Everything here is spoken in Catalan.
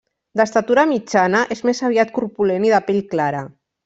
D'estatura mitjana, és més aviat corpulent i de pell clara.